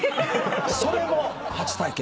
それも初体験。